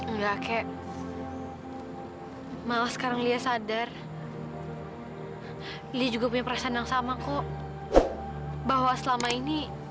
enggak kayak malah sekarang lia sadar dia juga punya perasaan yang sama kok bahwa selama ini